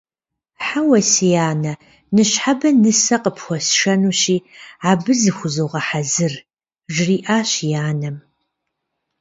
Хьэуэ, си анэ, ныщхьэбэ нысэ къыпхуэсшэнущи, абы зыхузогъэхьэзыр, - жриӀащ и анэм.